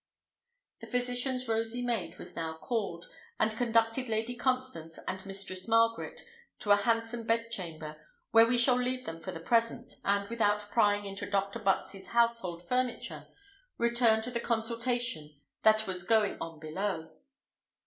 The physician's rosy maid was now called, and conducted Lady Constance and Mistress Margaret to a handsome bedchamber, where we shall leave them for the present; and without prying, into Dr. Butts's household furniture, return to the consultation that was going on below.